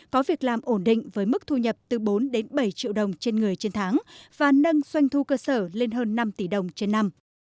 có việc làm ổn định với mức thu nhập từ bốn đến bảy triệu đồng trên người trên tháng và nâng doanh thu cơ sở lên hơn năm tỷ đồng trên năm